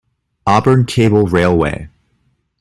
Auburn Cable Railway.